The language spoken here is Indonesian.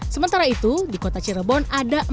sementara itu di kota cirebon ada penumpang yang bisa keluar